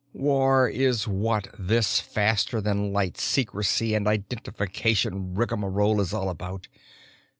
"War is what this faster than light secrecy and identification rigmarole is all about.